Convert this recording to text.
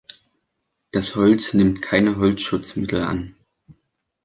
Das Holz nimmt keine Holzschutzmittel an.